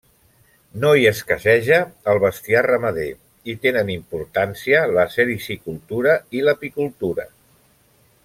No hi escasseja el bestiar ramader, i tenen importància la sericicultura i l'apicultura.